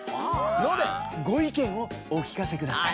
のでごいけんをおきかせください。